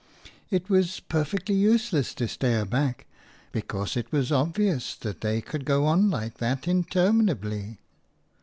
It was perfectly useless to stare back, because it was obvious that they could go on like that interminably.